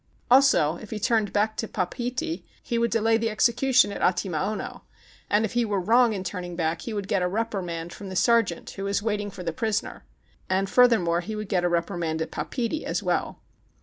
Also, if he turned back to Papeete, he would delay the execution at Atimaono, and if he were wrong in turning back, he would get a reprimand from the ser geant who was waiting for the prisoner. And, furthermore, he would get a reprimand at Papeete as well.